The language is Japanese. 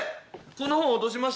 この本落としましたよ。